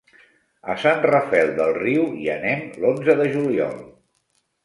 A Sant Rafel del Riu hi anem l'onze de juliol.